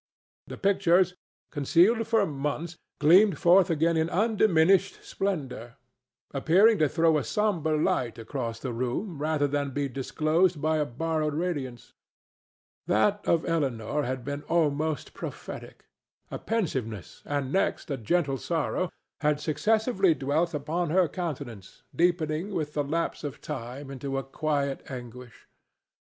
The pictures, concealed for months, gleamed forth again in undiminished splendor, appearing to throw a sombre light across the room rather than to be disclosed by a borrowed radiance. That of Elinor had been almost prophetic. A pensiveness, and next a gentle sorrow, had successively dwelt upon her countenance, deepening with the lapse of time into a quiet anguish.